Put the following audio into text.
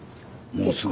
もうすぐ。